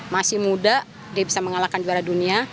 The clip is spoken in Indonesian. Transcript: masih muda dia bisa mengalahkan juara dunia